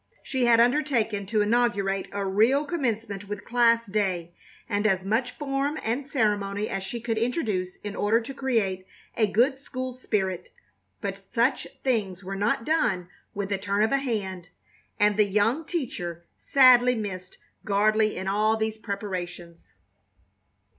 She had undertaken to inaugurate a real Commencement with class day and as much form and ceremony as she could introduce in order to create a good school spirit; but such things are not done with the turn of a hand, and the young teacher sadly missed Gardley in all these preparations.